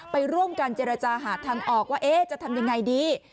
ไปร่วมกันเจรจาหาทางออกว่าจะทำยังไงดี